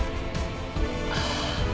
ああ！